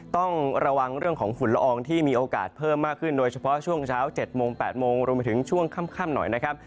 ต้องระวังเรื่องของฝุ่นละอองที่มีโอกาสเพิ่มมากขึ้นโดยเฉพาะช่วงเช้า๗โมง๘โมงรวมไปถึงช่วงค่ำหน่อยนะครับ